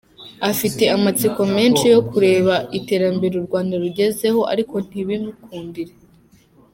Afite amatsiko menshi yo kureba Iterambere u Rwanda rugezeho ariko ntibimukundire.